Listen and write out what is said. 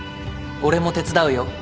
俺も手伝うよ。